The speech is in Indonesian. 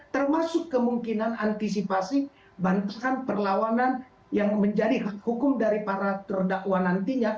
termasuk kemungkinan antisipasi bantahan perlawanan yang menjadi hak hukum dari para terdakwa nantinya